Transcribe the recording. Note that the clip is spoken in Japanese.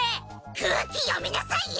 空気読みなさいよ！